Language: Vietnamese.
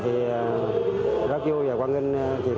thì rất vui và quan hệ